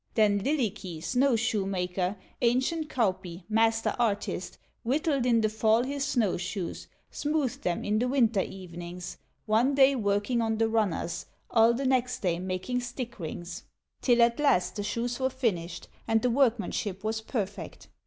Then Lylikki, snow shoe maker, Ancient Kauppi, master artist, Whittled in the fall his show shoes, Smoothed them in the winter evenings, One day working on the runners, All the next day making stick rings, Till at last the shoes were finished, And the workmanship was perfect.